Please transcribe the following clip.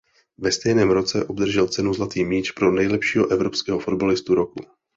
Ve stejném roce obdržel cenu Zlatý míč pro nejlepšího evropského fotbalistu roku.